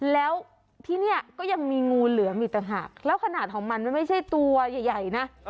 แล้วที่นี่ก็ยังมีงูเหลือมอีกต่างหากแล้วขนาดของมันมันไม่ใช่ตัวใหญ่นะ